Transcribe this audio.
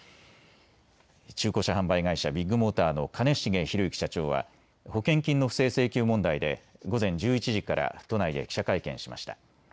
中古車販売会社ビッグモーターの兼重宏行社長は保険金の不正請求問題で午前１１時から都内で記者会見しました。